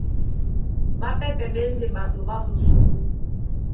Ɓápɛ́pɛ̄ ɓá e ndé ɓato ɓá musombó.